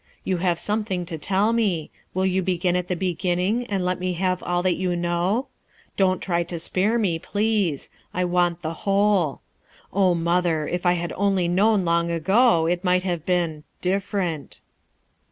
You have something to tell me. Will you begin at the beginning and let me have all that you know? Don't try to spare me, please; I want the whole. mother! If I had only known long ago, it might have been — different."